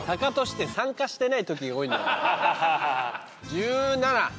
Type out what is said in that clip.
１７。